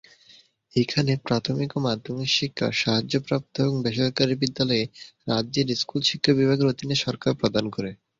এখানে, প্রাথমিক ও মাধ্যমিক শিক্ষা, সাহায্য প্রাপ্ত এবং বেসরকারী বিদ্যালয়ে, রাজ্যের 'স্কুল শিক্ষা বিভাগের' অধীনে সরকার প্রদান করে।